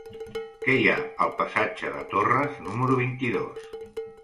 Què hi ha al passatge de Torres número vint-i-dos?